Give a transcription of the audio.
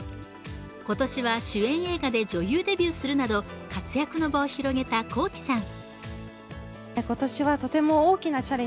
今年は主演映画で女優デビューするなど活躍の場を広げたＫｏｋｉ，さん。